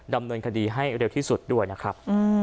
ดำเนินคดีให้เร็วที่สุดด้วยนะครับ